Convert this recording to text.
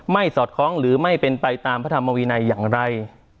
สอดคล้องหรือไม่เป็นไปตามพระธรรมวินัยอย่างไร